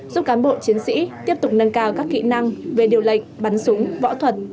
giúp cán bộ chiến sĩ tiếp tục nâng cao